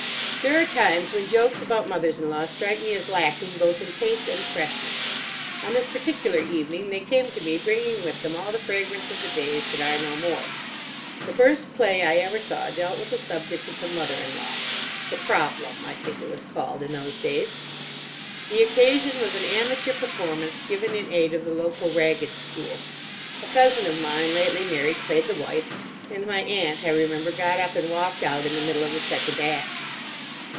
There are times when jokes about mothers in law strike me as lacking both in taste and freshness. On this particular evening they came to me bringing with them all the fragrance of the days that are no more. The first play I ever saw dealt with the subject of the mother in law—the "Problem" I think it was called in those days. The occasion was an amateur performance given in aid of the local Ragged School. A cousin of mine, lately married, played the wife; and my aunt, I remember, got up and walked out in the middle of the second act.